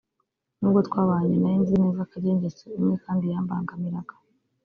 n’ubwo twabanye nari nzi neza ko agira ingeso imwe kandi yambangamiraga